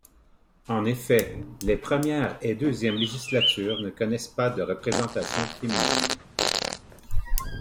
En effet, les premières et deuxièmes législatures ne connaissent pas de représentations féminines.